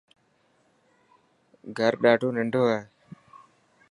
گھر ڏاڌو ننڊ هي.